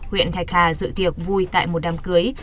huyện thạch hà dự tiệc vui tại một đám cưới